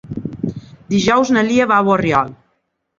Dijous na Lia va a Borriol.